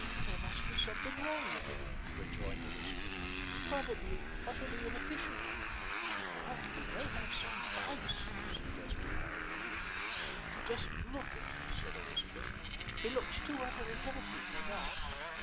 "There must be something wrong with him," rejoined Elizabeth; "probably utterly inefficient." "Or he may have some vice," suggested Harriet. "He doesn't look it," said Elizabeth. "He looks too utterly healthy for that.